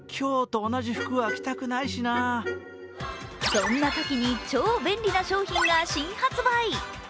そんなときに超便利な商品が新発売。